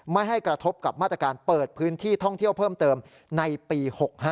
ไม่ให้กระทบกับมาตรการเปิดพื้นที่ท่องเที่ยวเพิ่มเติมในปี๖๕